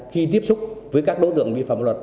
khi tiếp xúc với các đối tượng vi phạm pháp luật